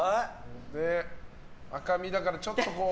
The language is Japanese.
赤身だからちょっとこう。